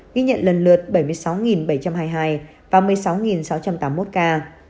ghi nhận lần lượt bảy mươi sáu bảy trăm hai mươi hai và một mươi sáu sáu trăm tám mươi một ca